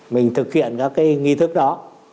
mình thực hiện các cái nghi thức đó